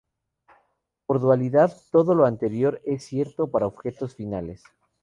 Por dualidad, todo lo anterior es cierto para objetos finales.